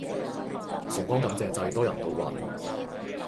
崇光感謝祭多人到暈